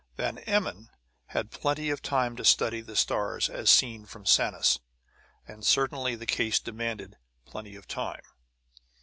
Van Emmon had plenty of time to study the stars as seen from Sanus, and certainly the case demanded plenty of time.